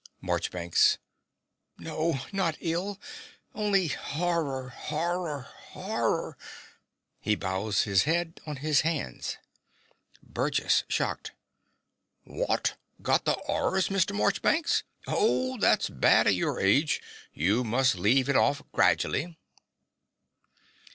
MARCHBANKS. No, not ill. Only horror, horror, horror! (He bows his head on his hands.) BURGESS (shocked). What! Got the 'orrors, Mr. Morchbanks! Oh, that's bad, at your age. You must leave it off grajally.